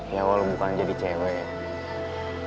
ya walau bukan jadi cewek ya